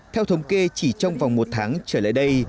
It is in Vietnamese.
theo thống kê chỉ trong vòng một tháng trở lại đây